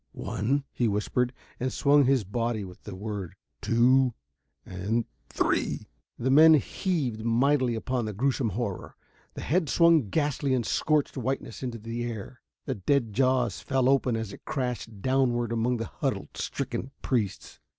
"One," he whispered, and swung his body with the word. "Two ... and three!" The men heaved mightily upon the gruesome horror. The head swung ghastly in scorched whiteness into the air. The dead jaws fell open as it crashed downward among the huddled, stricken priests.